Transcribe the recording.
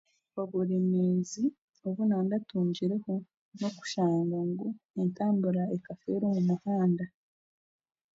Oburemeezi obu naaratungireho n'okushanga ngu entambura ekafeera omu muhanda.